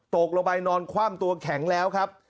ตกลงไปนอนคว่ำตัวแข็งแล้วครับ